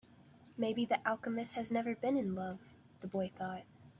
Maybe the alchemist has never been in love, the boy thought.